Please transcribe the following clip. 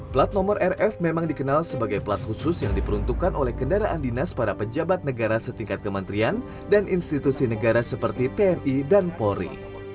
plat nomor rf memang dikenal sebagai plat khusus yang diperuntukkan oleh kendaraan dinas para pejabat negara setingkat kementerian dan institusi negara seperti tni dan polri